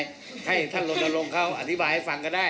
ว่าไงให้ท่านโรนโลงเขาอธิบายให้ฟังก็ได้